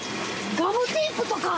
ガムテープとか。